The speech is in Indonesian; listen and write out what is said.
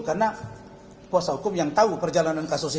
karena kuasa hukum yang tahu perjalanan kasus ini